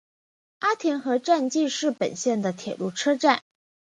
阿田和站纪势本线的铁路车站。